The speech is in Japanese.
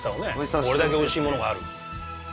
これだけおいしいものがある。